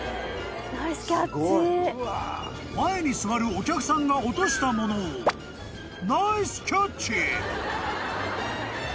［前に座るお客さんが落としたものをナイスキャッチ！］